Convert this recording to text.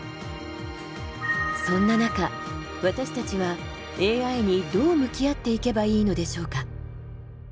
そんな中、私たちはＡＩにどう向き合っていけばいいのでしょうか。